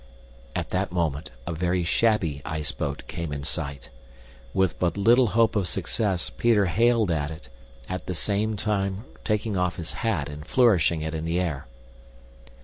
At that moment a very shabby iceboat came in sight. With but little hope of success Peter hailed at it, at the same time taking off his hat and flourishing it in the air.